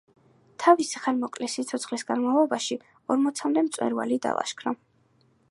თავისი ხანმოკლე სიცოცხლის განმავლობაში ორმოცამდე მწვერვალი დალაშქრა.